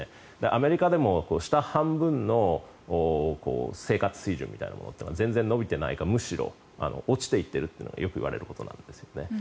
アメリカでも、下半分の生活水準みたいなものって全然伸びていないかむしろ落ちていってるというのがよく言われることなんですよね。